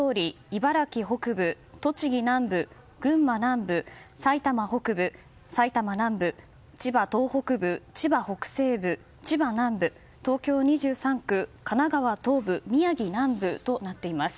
茨城北部、栃木南部群馬南部、埼玉北部、埼玉南部千葉島北部、千葉北西部千葉南部東京２３区、神奈川東部宮城南部となっています。